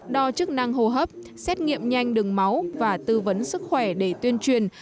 đo chức năng hô hấp xét nghiệm nhanh đường máu và tư vấn sức khỏe để tuyên truyền